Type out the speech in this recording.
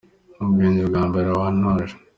Ubwenge bwa mbere wantoje